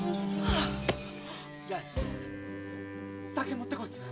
八重酒持ってこい。